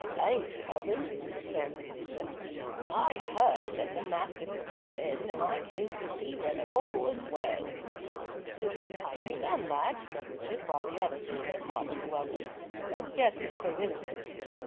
"Thanks, cousin," returned the visitor, "I heard that the Mastiff was come in, and I came to see whether all was well." "It was kindly done, lad," said Richard, while the others did their part of the welcome, though scarcely so willingly.